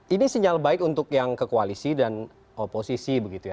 ini sinyal baik untuk yang ke koalisi dan oposisi begitu ya